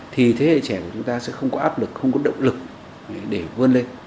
thì thế hệ trẻ của chúng ta sẽ không có áp lực không có động lực để vươn lên